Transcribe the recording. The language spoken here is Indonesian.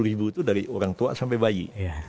dua puluh ribu itu dari orang tua sampai bayi